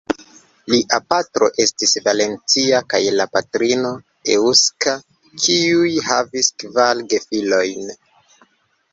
Lia patro estis valencia kaj la patrino eŭska, kiuj havis kvar gefilojn.